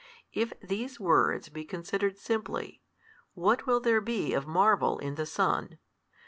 If these words be considered simply, what will there be of marvel in the Son?